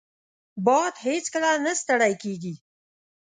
باد هیڅکله نه ستړی کېږي